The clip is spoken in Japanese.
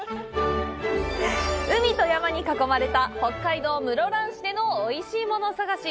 海と山に囲まれた、北海道・室蘭市でのおいしいもの探し。